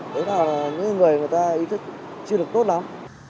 đấy là những người người ta ý thức chưa được tốt lắm